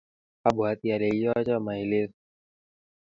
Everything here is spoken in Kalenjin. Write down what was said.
abwatii ale iyocho maelezo.